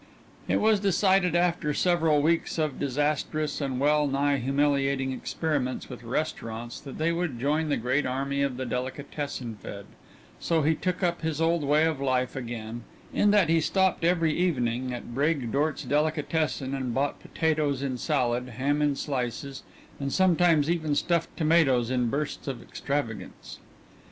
It was decided after several weeks of disastrous and well nigh humiliating experiments with restaurants that they would join the great army of the delicatessen fed, so he took up his old way of life again, in that he stopped every evening at Braegdort's delicatessen and bought potatoes in salad, ham in slices, and sometimes even stuffed tomatoes in bursts of extravagance.